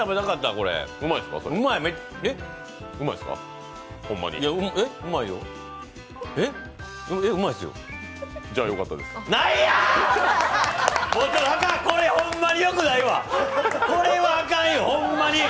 これはあかんよ、ホンマに！